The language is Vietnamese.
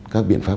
các biện pháp